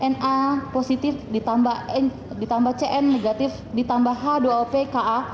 na positif ditambah cn negatif ditambah h dua op ka